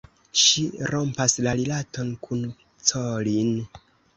Ŝi rompas la rilaton kun Colin.